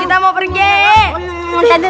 kita mau pergi